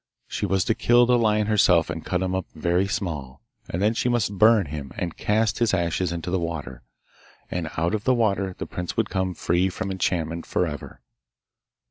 She was to kill the lion herself and cut him up very small; then she must burn him, and cast his ashes into the water, and out of the water the prince would come free from enchantment for ever.